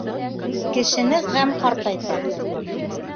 Кешене ғәм ҡартайта.